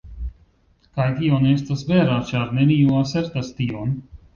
Kaj tio ne estas vera, ĉar neniu asertas tion.